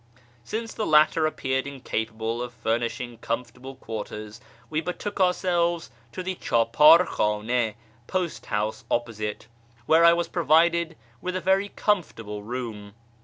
Since the latter appeared incapable of furnishing comfortable quarters, we betook ourselves to the chdpdr khdn6 (post house) opposite, where I was provided with a very comfortable room.